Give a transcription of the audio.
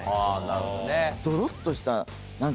なるほどね。